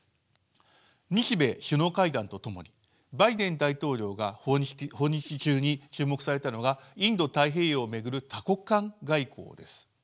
日米首脳会談とともにバイデン大統領が訪日中に注目されたのがインド太平洋を巡る多国間外交です。